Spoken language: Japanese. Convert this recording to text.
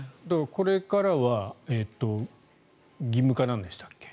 これからは義務化なんでしたっけ？